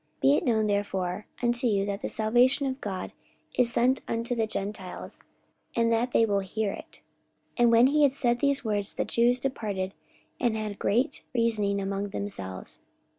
44:028:028 Be it known therefore unto you, that the salvation of God is sent unto the Gentiles, and that they will hear it. 44:028:029 And when he had said these words, the Jews departed, and had great reasoning among themselves.